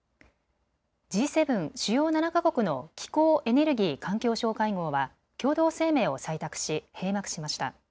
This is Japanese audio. Ｇ７・主要７か国の気候・エネルギー・環境相会合は共同声明を採択し閉幕しました。